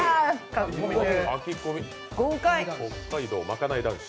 北海道まかない男子。